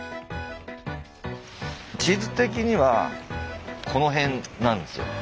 地図的にはこの辺なんですよ。